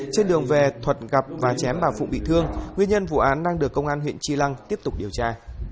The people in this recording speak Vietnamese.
trên đường về thuật gặp và chém bà phụng bị thương nguyên nhân vụ án đang được công an huyện tri lăng tiếp tục điều tra